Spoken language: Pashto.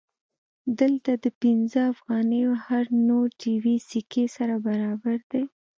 دلته د پنځه افغانیو هر نوټ یوې سکې سره برابر دی